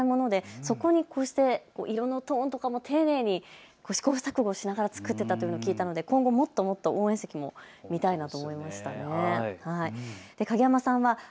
色のトーンとかも丁寧に試行錯誤しながら作ってたっていうのを聞いたので今後、もっともっと応援席も見たいなと思いましたよね。